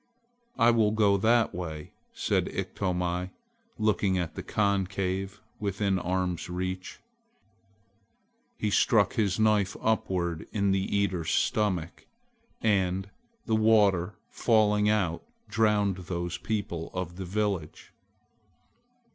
"I will go that way," said Iktomi, looking at the concave within arm's reach. He struck his knife upward in the Eater's stomach, and the water falling out drowned those people of the village.